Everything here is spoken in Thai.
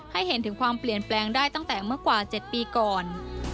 ให้เห็นถึงความเปลี่ยนแปลงได้ตั้งแต่เมื่อกว่า๗ปีก่อน